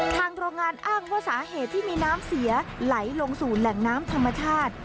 โรงงานอ้างว่าสาเหตุที่มีน้ำเสียไหลลงสู่แหล่งน้ำธรรมชาติ